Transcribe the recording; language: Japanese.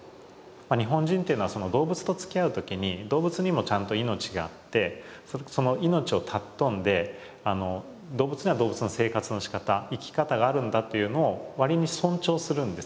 日本人というのは動物とつきあう時に動物にもちゃんと命があってその命を尊んで動物には動物の生活のしかた生き方があるんだというのを割に尊重するんですね。